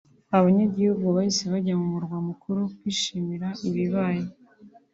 abanyagihugu bahise bajya mu murwa mukuru kwishimira ibibaye